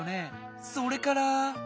それから。